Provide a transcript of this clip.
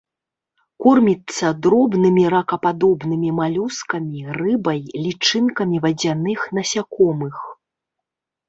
Корміцца дробнымі ракападобнымі, малюскамі, рыбай, лічынкамі вадзяных насякомых.